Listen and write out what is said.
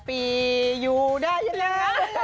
๑๘ปีอยู่ได้ยังไง